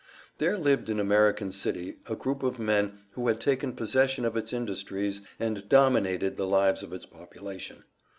There lived in American City a group of men who had taken possession of its industries and dominated the lives of its population.